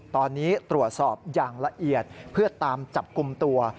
ตอนนี้ตรวจสอบอย่างละเอียดเพื่อตามจับกลุ่มตัว